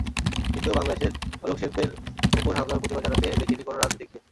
কিন্তু বাংলাদেশের অলোক সেনদের ওপর হামলার প্রতিবাদ জানাতে দেখিনি কোনো রাজনীতিককে।